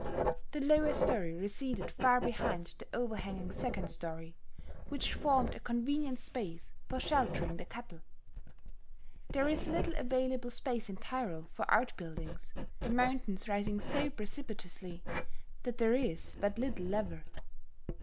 The lower story receded far behind the overhanging second story, which formed a convenient space for sheltering the cattle. There is little available space in Tyrol for outbuildings, the mountains rising so precipitously that there is but little level.